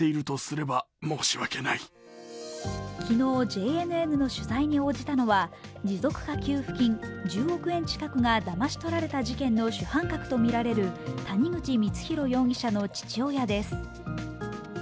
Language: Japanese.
昨日、ＪＮＮの取材に応じたのは、持続化給付金１０億円近くがだまし取られた事件の主犯格とみられる谷口光弘容疑者の父親です。